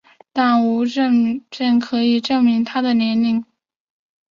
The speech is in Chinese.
但无证件可证明她的年龄。